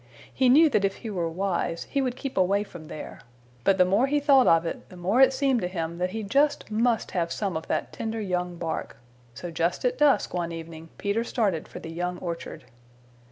He knew that if he were wise he would keep away from there. But the more he thought of it the more it seemed to him that he just must have some of that tender young bark. So just at dusk one evening, Peter started for the young orchard.